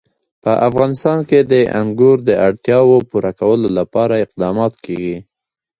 په افغانستان کې د انګور د اړتیاوو پوره کولو لپاره اقدامات کېږي.